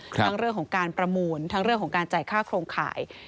ทั้งเรื่องของการประมูลทั้งเรื่องของการจ่ายค่าโครงข่าย